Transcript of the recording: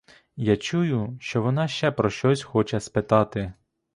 Я чую, що вона ще про щось хоче спитати.